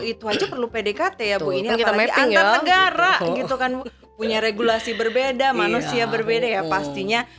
itu aja perlu pdkt ya bu ini antar negara gitu kan punya regulasi berbeda manusia berbeda ya pastinya